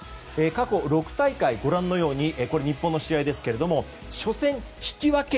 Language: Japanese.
過去６大会ご覧のようにこれ、日本の試合ですが初戦引き分け